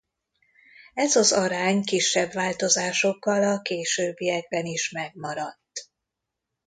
Ez az arány kisebb változásokkal a későbbiekben is megmaradt.